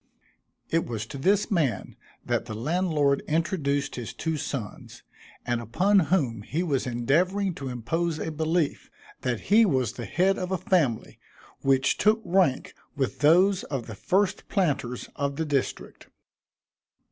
It was to this man that the landlord introduced his two sons, and upon whom he was endeavoring to impose a belief, that he was the head of a family which took rank with those of the first planters of the district.